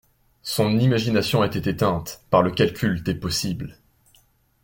Son imagination était éteinte par le calcul des possibles.